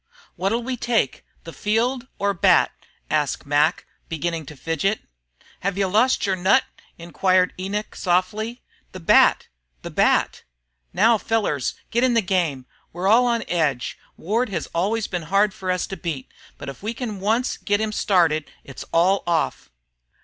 "What'll we take, the field or bat?" asked Mac, beginning to fidget. "Hev you lost your nut?" Inquired Enoch, softly. "Bat! the bat! Now, fellers, git in the game. We're all on edge. Ward has always been hard for us to beat, but if we can once git him started it's all off."